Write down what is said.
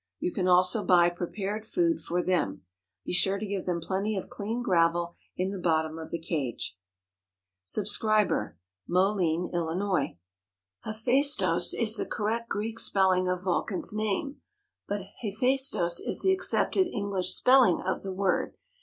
You can also buy prepared food for them. Be sure to give them plenty of clean gravel in the bottom of the cage. "SUBSCRIBER," Moline, Illinois. Heph_ai_stos is the correct Greek spelling of Vulcan's name, but Heph_æ_stos is the accepted English spelling of the word.